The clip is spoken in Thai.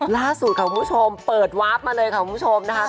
ล่าสุดค่ะคุณผู้ชมเปิดวาร์ฟมาเลยค่ะคุณผู้ชมนะคะ